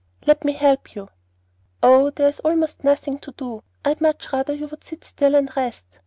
"Let me help you." "Oh, there is almost nothing to do. I'd much rather you would sit still and rest.